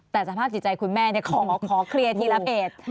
แต่สภาพจิตใจคุณแม่ขอเคลียร์ทีละเพจ